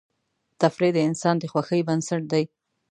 تفریح د انسان د خوښۍ بنسټ دی.